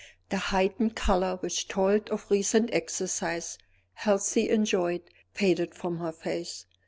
The heightened color which told of recent exercise, healthily enjoyed, faded from her face.